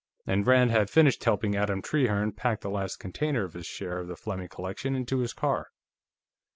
And Rand had finished helping Adam Trehearne pack the last container of his share of the Fleming collection into his car.